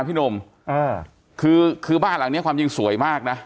พี่หนุ่มอ่าคือคือบ้านหลังเนี้ยความจริงสวยมากนะ